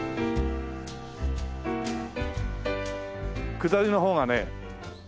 下りの方がね。